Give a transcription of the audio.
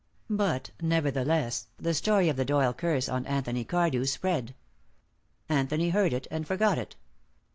But nevertheless the story of the Doyle curse on Anthony Cardew spread. Anthony heard it, and forgot it.